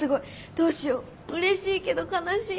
どうしよううれしいけど悲しい。